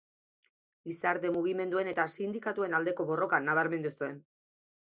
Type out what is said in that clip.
Gizarte-mugimenduen eta sindikatuen aldeko borrokan nabarmendu zen.